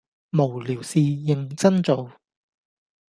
無聊事認真做